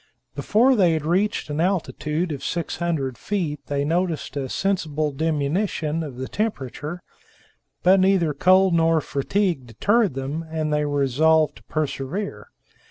Before they had reached an altitude of 600 feet they noticed a sensible diminution of the temperature; but neither cold nor fatigue deterred them, and they were resolved to persevere.